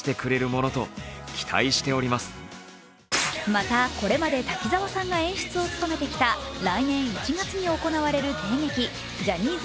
またこれまで滝沢さんが演出を務めてきた来年１月に行われる帝劇